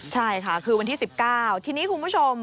ใช่ค่ะคือวันที่๑๙ทีนี้คุณผู้ชม